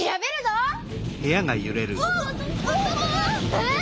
えっ？